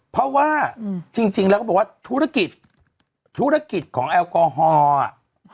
เพราะว่าจริงแล้วก็บอกว่าธุรกิจธุรกิจของแอลกอฮอล์อ่ะ